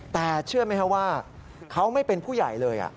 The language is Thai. แต่เชื่อไหมครับว่าเขาไม่เป็นผู้ใหญ่เลย